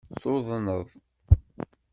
Tuḍneḍ.